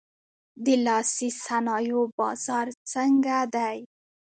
د لاسي صنایعو بازار څنګه دی؟